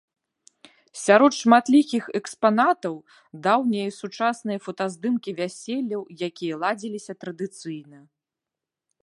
Сярод шматлікіх экспанатаў даўнія і сучасныя фотаздымкі вяселляў, якія ладзіліся традыцыйна.